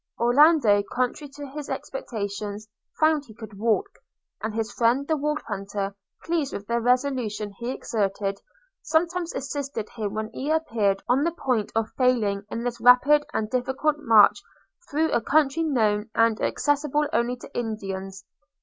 Orlando, contrary to his expectations, found he could walk; and his friend the Wolf hunter, pleased with the resolution he exerted, sometimes assisted him when he appeared on the point of failing in this rapid and difficult march, through a country known and accessible only to Indians.